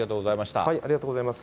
ありがとうございます。